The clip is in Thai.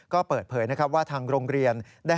ก็เปิดเผยนะครับว่าทางโรงเรียน